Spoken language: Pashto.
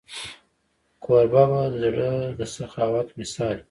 کوربه د زړه د سخاوت مثال وي.